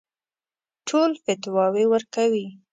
ټول فتواوې ورکوي.